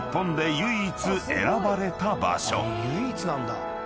唯一なんだ。